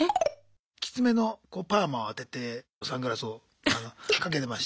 きつめのパーマをあててサングラスをかけてまして。